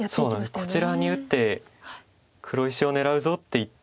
こちらに打って黒石を狙うぞって言って。